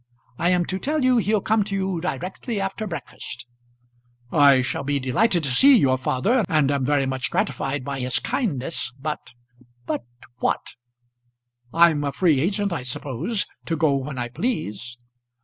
I am to tell you he'll come to you directly after breakfast." "I shall be delighted to see your father, and am very much gratified by his kindness, but " "But what " "I'm a free agent, I suppose, to go when I please?"